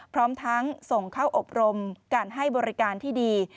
พร้อมทั้งส่งเข้าอบรมการให้บริการที่ดี